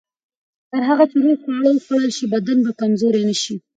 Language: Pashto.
تر هغه چې روغ خواړه وخوړل شي، بدن به کمزوری نه شي.